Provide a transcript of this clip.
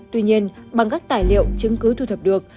tuy nhiên bằng các tài liệu chứng cứ thu thập được